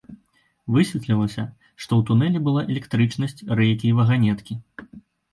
Высветлілася, што ў тунэлі была электрычнасць, рэйкі і ваганеткі!